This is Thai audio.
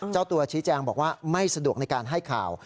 เจ้าตัวชี้แจงบอกว่าไม่สะดวกในการให้ข่าว